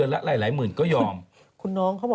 พี่ปุ้ยลูกโตแล้ว